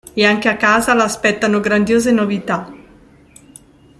E anche a casa l'aspettano grandiose novità!